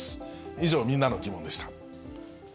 以上、みんなのギモンでした。